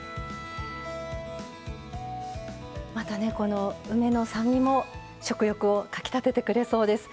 またねこの梅の酸味も食欲をかきたててくれそうです。